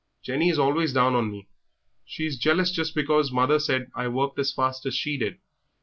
"Jenny is always down on me. She is jealous just because mother said I worked as fast as she did.